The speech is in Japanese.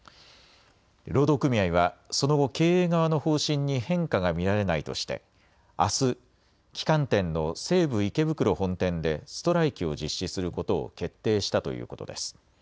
労働組合はその後、経営側の方針に変化が見られないとしてあす旗艦店の西武池袋本店でストライキを実施することを決定したということです。